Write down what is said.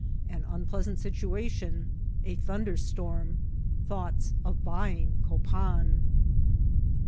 ^AA unpleasant Situation.— A Thunder Stonn.— Thougfata of boyinff Ck>pan.